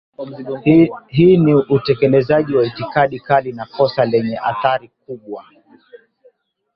Hii ni utekelezaji wa itikadi kali na kosa lenye athari kubwa